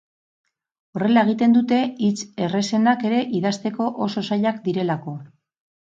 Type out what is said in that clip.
Horrela egiten dute hitz errazenak ere idazteko oso zailak direlako.